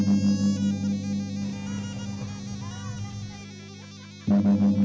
balik solving ternak lainnya lagi